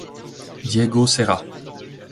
Diego Serra.